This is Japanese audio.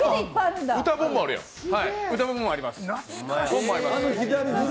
歌本もあります。